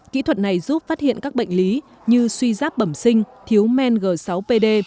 kỹ thuật này giúp phát hiện các bệnh lý như suy giáp bẩm sinh thiếu men g sáu pd